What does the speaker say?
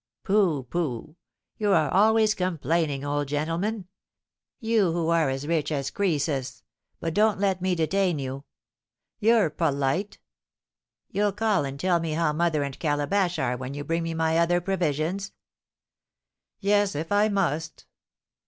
"Pooh, pooh! You are always complaining, old gentleman; you who are as rich as Croesus. But don't let me detain you." "You're polite." "You'll call and tell me how mother and Calabash are when you bring me my other provisions?" "Yes, if I must."